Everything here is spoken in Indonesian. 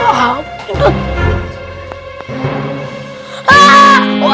udah tau siapa